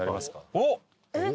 おっ！